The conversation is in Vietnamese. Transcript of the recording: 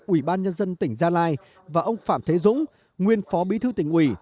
ủy ban nhân dân tp đà nẵng và ông phạm thế dũng nguyên phó bí thư thành ủy